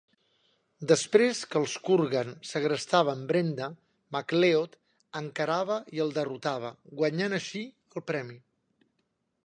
Després que els Kurgan segrestaven Brenda, MacLeod encarava i el derrotava, guanyant així "el premi".